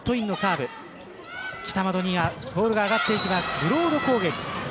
ブロード攻撃。